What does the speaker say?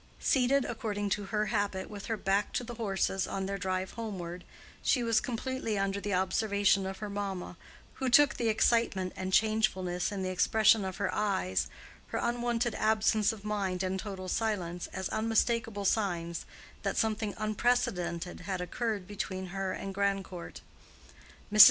Seated according to her habit with her back to the horses on their drive homeward, she was completely under the observation of her mamma, who took the excitement and changefulness in the expression of her eyes, her unwonted absence of mind and total silence, as unmistakable signs that something unprecedented had occurred between her and Grandcourt. Mrs.